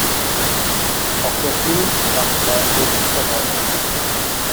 Auch der Schlimbach-Preis wurde ihm verweigert.